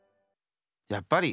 やっぱり。